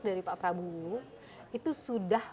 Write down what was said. dari pak prabowo itu sudah